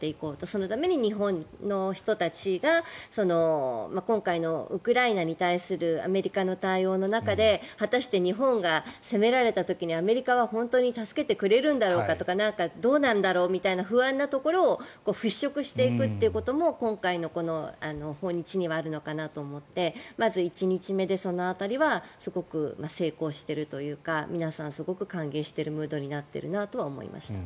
そのために日本の人たちが今回のウクライナに対するアメリカの対応の中で果たして日本が攻められた時にアメリカは本当に助けてくれるんだろうかとかどうなんだろうみたいな不安なところを払しょくしていくということも今回の訪日にはあるのかなと思ってまず１日目でその辺りはすごく成功しているというか皆さん、すごく歓迎しているムードになっているなとは思いました。